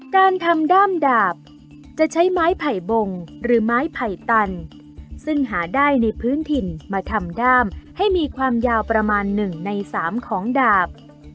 การทำด้ามดาบจะใช้ไม้ไผ่บงหรือไม้ไผ่ตันซึ่งหาได้ในพื้นถิ่นมาทำด้ามให้มีความยาวประมาณ๑ใน๓ของดาบ